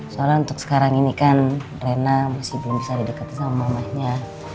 soalnya untuk sekarang ini kan rena masih belum bisa didekati sama mamanya